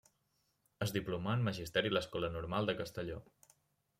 Es diplomà en magisteri a l'Escola Normal de Castelló.